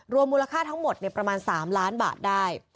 มูลค่าทั้งหมดประมาณ๓ล้านบาทได้